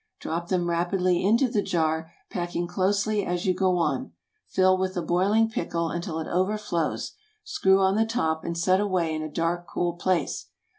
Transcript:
Drop them rapidly into the jar, packing closely as you go on; fill with the boiling pickle until it overflows, screw on the top, and set away in a dark, cool place.